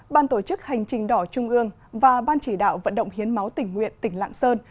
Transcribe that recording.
ban tổ chức hành trình đỏ trung ương và ban chỉ đạo vận động hiến máu tỉnh nguyện tỉnh lạng sơn